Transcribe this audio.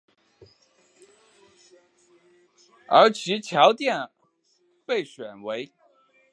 而其桥殿被选为。